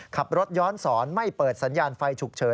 ขับรถย้อนสอนไม่เปิดสัญญาณไฟฉุกเฉิน